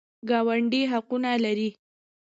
ګاونډي حقونه لري